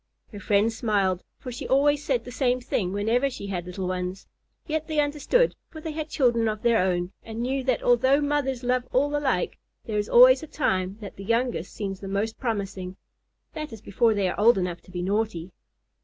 Her friends smiled, for she always said the same thing whenever she had little ones. Yet they understood, for they had children of their own, and knew that although mothers love all alike, there is always a time when the youngest seems the most promising. That is before they are old enough to be naughty.